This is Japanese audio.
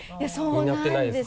担ってないですか？